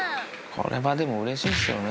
これはでもうれしいですよね。